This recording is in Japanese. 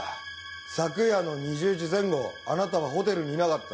昨夜の２０時前後あなたはホテルにいなかった。